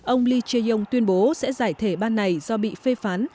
ông lee che yong tuyên bố sẽ giải thể ban này do bị phê phán